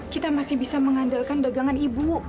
kita masih bisa mengandalkan dagangan ibu